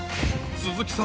鈴木さん